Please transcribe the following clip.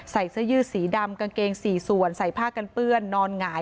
ใส่เสื้อยืดสีดำกางเกง๔ส่วนใส่ผ้ากันเปื้อนนอนหงาย